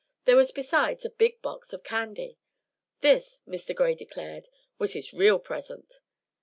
There was besides a big box of candy. This, Mr. Gray declared, was his real present.